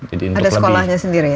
ada sekolahnya sendiri ya